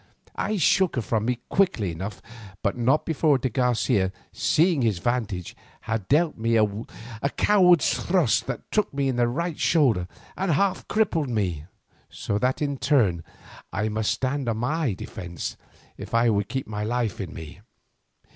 I shook her from me quickly enough, but not before de Garcia, seeing his advantage, had dealt me a coward's thrust that took me in the right shoulder and half crippled me, so that in my turn I must stand on my defence if I would keep my life in me.